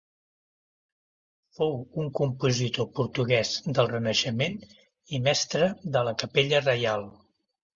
Fou un compositor portuguès del Renaixement i Mestre de la Capella Reial.